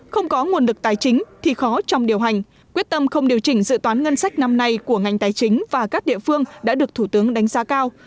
không có nguồn lực tài chính thì khó trong điều hành quyết tâm không điều chỉnh dự toán ngân sách năm nay của ngành tài chính và các địa phương đã được thủ tướng đánh giá cao